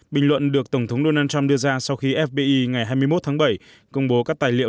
bình luận được tổng thống donald trump đưa ra sau khi fbi ngày hai mươi một tháng bảy công bố các tài liệu